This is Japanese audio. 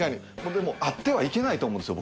でも会ってはいけないと思うんですよ